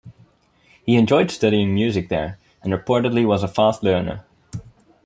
He enjoyed studying music there, and reportedly was a fast learner.